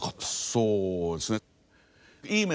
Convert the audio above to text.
そうですね。